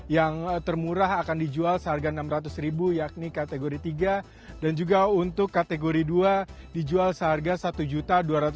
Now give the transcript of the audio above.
yang termurah akan dijual seharga rp enam ratus yakni kategori tiga dan juga untuk kategori dua dijual seharga rp satu dua ratus